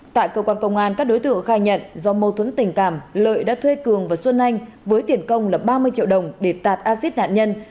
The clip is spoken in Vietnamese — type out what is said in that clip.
tại cơ quan công an các đối tượng khai nhận do mâu thuẫn tình cảm lợi đã thuê cường và xuân anh với tiền công là ba mươi triệu đồng để tạt acid nạn nhân